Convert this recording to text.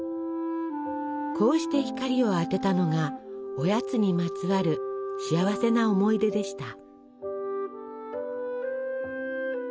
こうして光を当てたのがおやつにまつわる幸せな思い出でした。